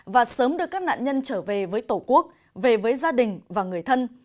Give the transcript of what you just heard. và sớm đưa các nạn nhân trở về với tổ quốc về với gia đình và người thân